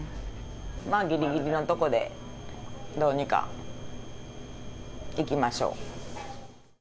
まあ、ぎりぎりのとこでどうにかいきましょう。